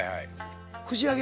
串揚げ。